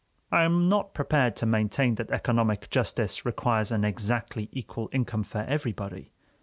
I am not prepared to maintain that economic justice requires an exactly equal income for everybody.